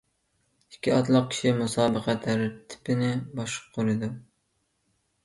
ئىككى ئاتلىق كىشى مۇسابىقە تەرتىپىنى باشقۇرىدۇ.